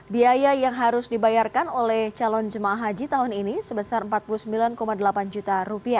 biaya yang harus dibayarkan oleh calon jemaah haji tahun ini sebesar rp empat puluh sembilan delapan juta